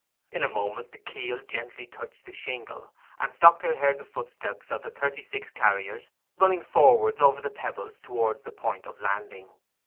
In a moment the keel gently touched the shingle, and Stockdale heard the footsteps of the thirty six carriers running forwards over the pebbles towards the point of landing.